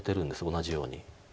同じように。